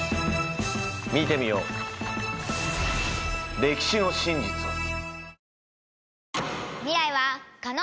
見てみよう歴史の真実を。